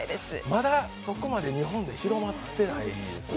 まだそこまで日本で広まってないですかね。